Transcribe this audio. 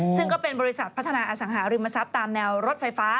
ซึ่งก็เป็นบริษัทพัฒนาอสังหาริมทรัพย์ตามแนวรถไฟฟ้า